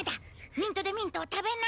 ミントデミントを食べな。